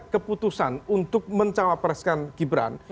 keputusan untuk mencapai presiden gibran